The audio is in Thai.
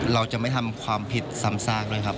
เราจะไม่ทำความผิดซ้ำซากด้วยครับ